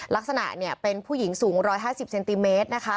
ลักษณะเนี่ยเป็นผู้หญิงสูง๑๕๐เซนติเมตรนะคะ